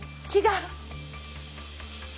違う。